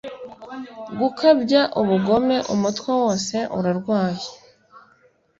gukabya ubugome, umutwe wose urarwaye